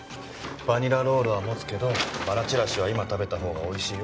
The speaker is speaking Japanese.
バニラロールは持つけどバラちらしは今食べたほうが美味しいよ。